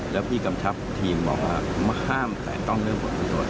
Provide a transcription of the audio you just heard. แล้วพี่กำชับทีมบอกว่าห้ามแต่ต้องเริ่มตรวจ